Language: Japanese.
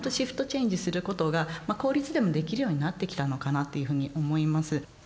チェンジすることが公立でもできるようになってきたのかなというふうに思います。